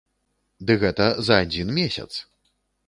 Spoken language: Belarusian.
Ды гэта за адзін месяц.